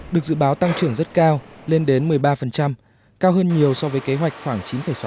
được dự báo tăng trưởng rất cao lên đến một mươi ba cao hơn nhiều so với kế hoạch khoảng chín sáu